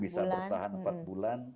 bisa bertahan empat bulan